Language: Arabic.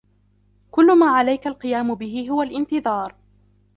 كل ما عليك القيام به هو الإنتظار.